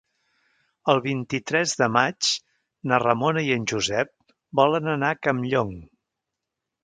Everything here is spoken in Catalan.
El vint-i-tres de maig na Ramona i en Josep volen anar a Campllong.